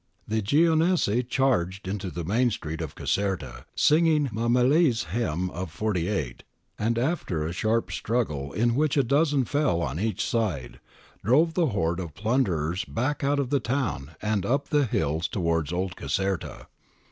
The Genoese charged into the main street of Caserta, singing Mameli's hymn of '48, and after a sharp struggle in which a dozen fell on each side, drove the horde of plunderers back out of the town and up the hills towards Old Caserta.